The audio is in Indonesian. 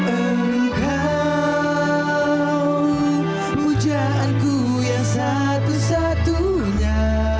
engkau pujaanku yang satu satunya